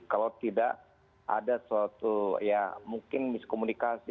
kalau tidak ada suatu miskomunikasi